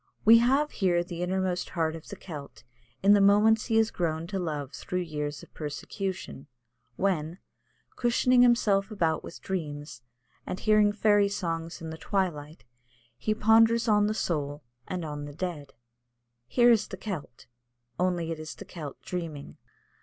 We have here the innermost heart of the Celt in the moments he has grown to love through years of persecution, when, cushioning himself about with dreams, and hearing fairy songs in the twilight, he ponders on the soul and on the dead. Here is the Celt, only it is the Celt dreaming.